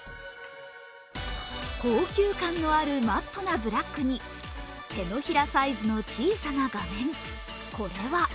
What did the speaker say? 高級感のあるマットなブラックに手のひらサイズの小さな画面、これは。